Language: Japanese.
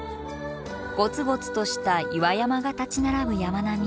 ゴツゴツとした岩山が立ち並ぶ山並み。